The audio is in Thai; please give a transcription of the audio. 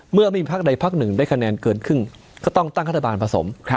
เมื่อไม่พักใดพักหนึ่งได้คะแนนเกินครึ่งก็ต้องตั้งรัฐบาลผสม